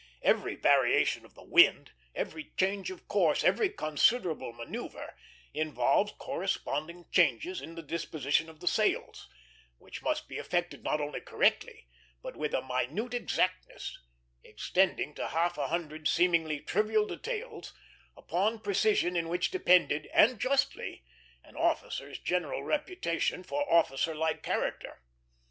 Every variation of the wind, every change of course, every considerable manoeuvre, involved corresponding changes in the disposition of the sails, which must be effected not only correctly, but with a minute exactness extending to half a hundred seemingly trivial details, upon precision in which depended and justly an officer's general reputation for officer like character.